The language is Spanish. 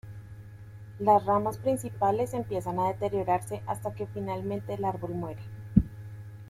Las ramas principales empiezan a deteriorarse hasta que finalmente el árbol muere.